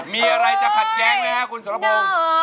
มีอะไรจะขัดแย้งด้วยฮะคุณสารพงศ์